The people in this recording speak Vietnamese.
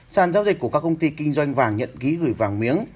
sàn giao dịch của các công ty kinh doanh vàng nhận ghi gửi vàng miếng